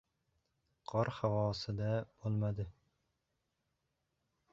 Qor havosi-da bo‘lmadi.